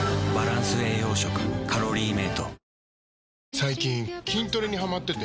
最近筋トレにハマってて。